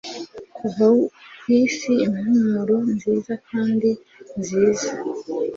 kuva kwisi impumuro nziza kandi nziza